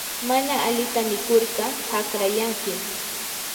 mana alita mikurqa haqrayankim.